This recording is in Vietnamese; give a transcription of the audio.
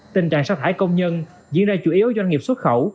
tình trạng sát thải công nhân diễn ra chủ yếu doanh nghiệp xuất khẩu